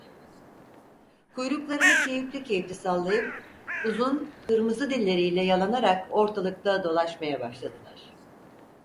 Kuyruklarını keyifli keyifli sallayıp uzun, kırmızı dilleriyle yalanarak ortalıkta dolaşmaya başladılar.